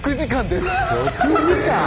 ６時間？